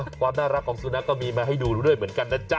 ความน่ารักของสุนัขก็มีมาให้ดูด้วยเหมือนกันนะจ๊